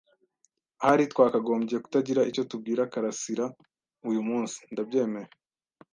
"Ahari twakagombye kutagira icyo tubwira karasira uyu munsi." "Ndabyemeye."